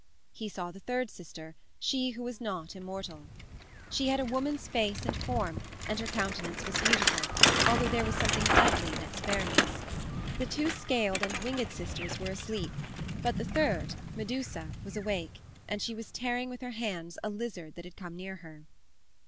He saw the third sister she who was not immortal. She had a woman's face and form, and her countenance was beautiful, although there was something deadly in its fairness. The two scaled and winged sisters were asleep, but the third, Medusa, was awake, and she was tearing with her hands a lizard that had come near her.